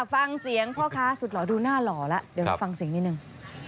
ฟังเสียงพ่อค้าสุดหล่อดูหน้าหล่อแล้วเดี๋ยวฟังเสียงนิดนึง